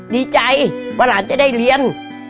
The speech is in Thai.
ดีใจว่าหลานได้เป็นคู่เรียน